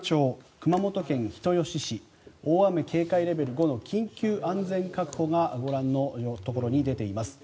熊本県人吉市大雨警戒レベル５の緊急安全確保がご覧のところに出ています。